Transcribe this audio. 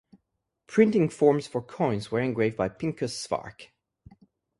Printing forms for coins were engraved by Pinkus Szwarc.